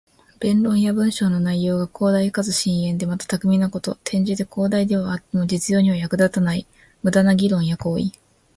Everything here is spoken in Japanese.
弁論や文章の内容が広大かつ深遠で、また巧みなこと。転じて、広大ではあっても実用には役立たない無駄な議論や行為。